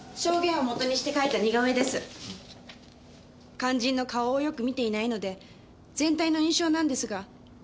肝心の顔をよく見ていないので全体の印象なんですが。